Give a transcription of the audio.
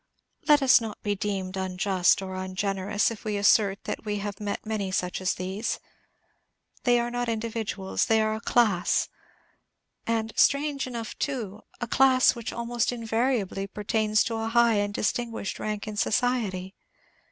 Let us not be deemed unjust or ungenerous if we assert that we have met many such as these. They are not individuals, they are a class; and, strange enough too, a class which almost invariably pertains to a high and distinguished rank in society.